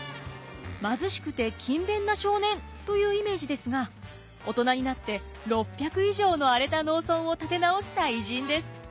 貧しくて勤勉な少年というイメージですが大人になって６００以上の荒れた農村を立て直した偉人です。